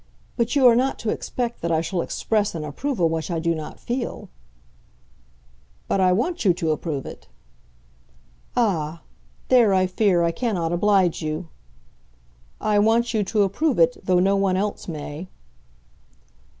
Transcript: But you are not to expect that I shall express an approval which I do not feel." "But I want you to approve it." "Ah! there, I fear, I cannot oblige you." "I want you to approve it, though no one else may."